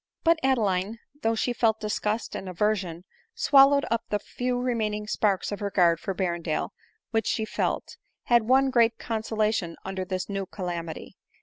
But Adeline, though she felt disgust and aversion swal lowing up the few remaining sparks of regard for Berren dale which she felt, had one great consolation under this new calamity.